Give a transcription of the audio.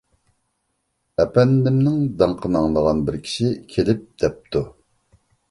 ئەپەندىمنىڭ داڭقىنى ئاڭلىغان بىر كىشى كېلىپ دەپتۇ.